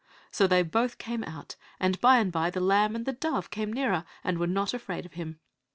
So they both came out, and by and by the lamb and dove came nearer, and were not afraid of him.